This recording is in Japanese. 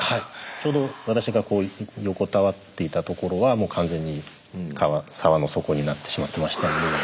ちょうど私が横たわっていた所は完全に沢の底になってしまってましたんで。